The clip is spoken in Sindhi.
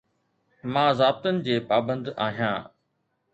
مان ضابطن جي پابند آهيان